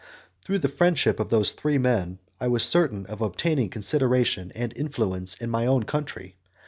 Through the friendship of those three men, I was certain of obtaining consideration and influence in my own country.